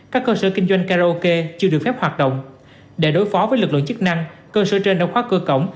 các cơ sở kinh doanh karaoke chưa được phép hoạt động để đối phó với lực lượng chức năng cơ sở trên đã khóa cửa cổng